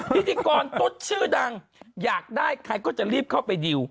พิธีกรตุ๊ดชื่อดังอยากได้ใครก็จะรีบเข้าไปดิว